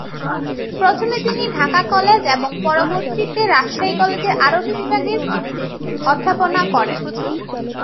প্রথমে তিনি ঢাকা কলেজ এবং পরবর্তীতে রাজশাহী কলেজের আরবি বিভাগে তিনি অধ্যাপনা করেন।